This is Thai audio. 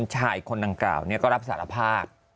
ชายคนดังกล่าวก็รับสารภาพ